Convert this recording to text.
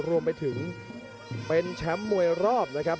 รวมไปถึงเป็นแชมป์มวยรอบนะครับ